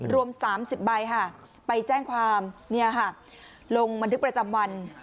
รวม๓๐ใบค่ะไปแจ้งความลงบันทึกประจำวัน